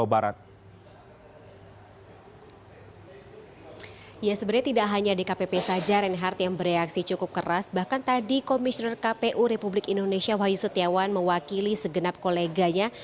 bahkan tadi komisioner kpu republik indonesia wahyu setiawan mewakili segenap koleganya